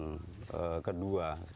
kedua di tengah keputusasaan mereka